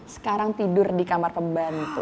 sekarang tidur di kamar pembantu